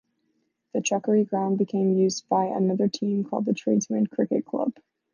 The Chuckery ground became used by another team called the Tradesmen's Cricket Club.